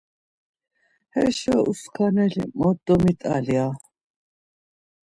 Haşo uskaneli mot domit̆ali aa...